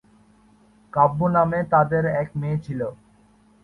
কাব্য নামে তাদের এক মেয়ে ছিল।